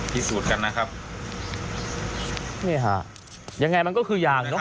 พิสูจน์กันนะครับนี่ฮะยังไงมันก็คือยางเนอ